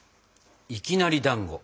いきなりだんご。